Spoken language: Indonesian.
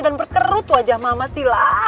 dan berkerut wajah mama silah